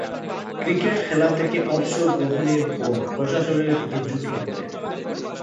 Cricket খেলা থেকে অবসর গ্রহণের পর প্রশাসনের দিকে ঝুঁকে পড়েন।